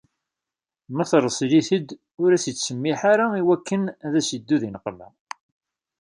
Ma terṣel-it-id ur as-ittsemmiḥ ara iwakken ad as-yeddu di neqqma.